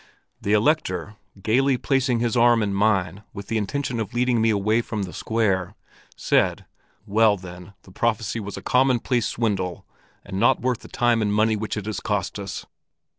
The Elector, gaily placing his arm in mine with the intention of leading me away from the square, said, 'Well then, the prophecy was a commonplace swindle and not worth the time and money which it has cost us!'